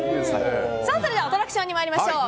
それではアトラクションに参りましょう。